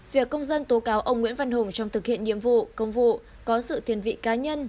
việc công dân tố cáo ông nguyễn văn hùng trong thực hiện nhiệm vụ công vụ có sự thiền vị cá nhân